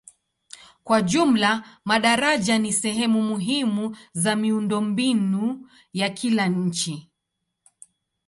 Kwa jumla madaraja ni sehemu muhimu za miundombinu ya kila nchi.